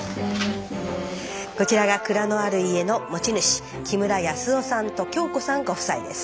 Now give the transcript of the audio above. こちらが蔵のある家の持ち主木村康雄さんと恭子さんご夫妻です。